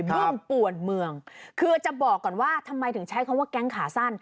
พึ่งป่วนเมืองคือจะบอกก่อนว่าทำไมถึงใช้คำว่าแก๊งขาสั้น